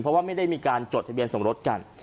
เพราะว่าไม่ได้มีการจดทะเบียนสมรสกัน